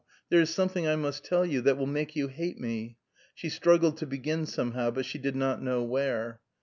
There is something I must tell you that will make you hate me " She struggled to begin somehow, but she did not know where.